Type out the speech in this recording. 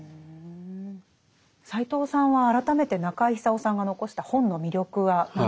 斎藤さんは改めて中井久夫さんが残した本の魅力は何だとお考えですか？